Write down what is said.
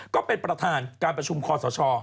ก็เป็นประธานการประชุมคอสช